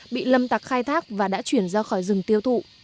bị lâm tặc khai thác và đã chuyển ra khỏi rừng tiêu thụ